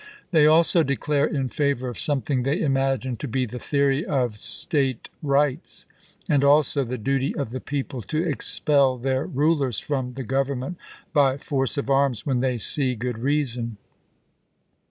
They also declare in favor of something they imagine to be the theory of State rights, and also the duty of the people to expel their rulers from the Government by force of arms when they see good reason.